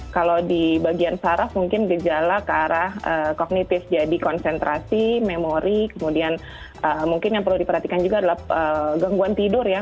kalau di bagian saraf mungkin gejala ke arah kognitif jadi konsentrasi memori kemudian mungkin yang perlu diperhatikan juga adalah gangguan tidur ya